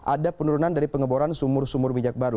ada penurunan dari pengeboran sumur sumur minyak baru